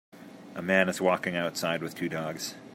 A man is walking outside with two dogs